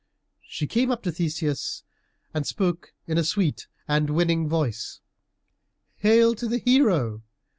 She came up to Theseus, and spoke in a sweet and winning voice, "Hail to the hero!